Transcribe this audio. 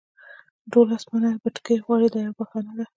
دولس منه بتکۍ غواړي دا یوه بهانه ده.